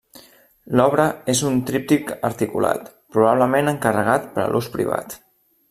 L'obra és un tríptic articulat, probablement encarregat per a l'ús privat.